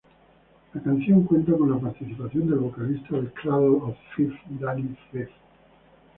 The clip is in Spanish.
La canción cuenta con la participación del vocalista de Cradle of Filth Dani Filth.